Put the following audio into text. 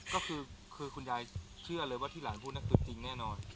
ก็คือคุณยายเชื่อเลยว่าที่หลานพูดนั่นคือจริงแน่นอน